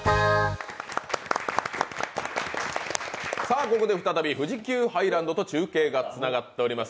ここで再び富士急ハイランドと中継がつながっています。